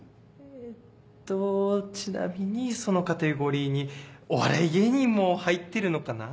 えっとちなみにそのカテゴリーにお笑い芸人も入ってるのかな？